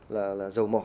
là dầu mỏ